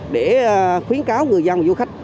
để khuyến cáo người dân du khách